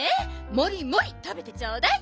もりもりたべてちょうだい。